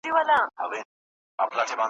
د باد په حکم ځمه ,